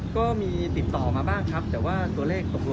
ก็มีติดต่อมาบ้างครับแต่ว่าตัวเลขตกลงกันไม่ได้นะครับ